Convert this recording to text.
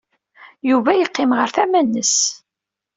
Yuba yeqqim ɣer tama-nnes.